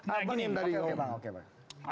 andre ini kan selalu menekankan bahwa